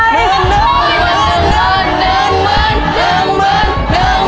หนึ่ง